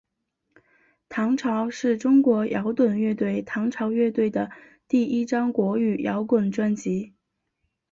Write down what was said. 唐朝是中国摇滚乐队唐朝乐队的第一张国语摇滚专辑。